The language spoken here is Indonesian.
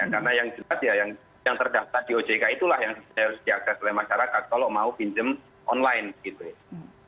karena yang jelas yah yang terdaftar di ojk itulah yang harus diakses oleh masyarakat kalau mau pinjam online gitu yah